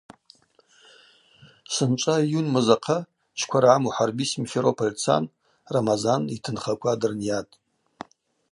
Сынчӏва июнь мыз ахъа Чкваргӏа Мухӏарби Симферополь дцан Рамазан йтынхаква дрынйатӏ.